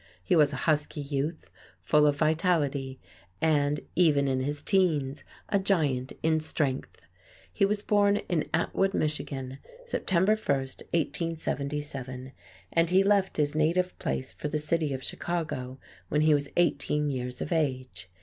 He was a husky youth, full of vitality and, even in his teens, a giant in strength. He was born in Atwood, Michigan, September 1, 1877, and he left his native place for the city of Chicago when he was eighteen years of age.